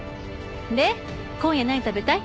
で今夜何食べたい？